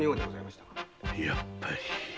やっぱり。